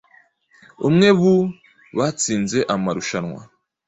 umwe bu batsinze amarushanwa